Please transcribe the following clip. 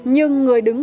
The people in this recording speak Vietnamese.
nhưng người đứng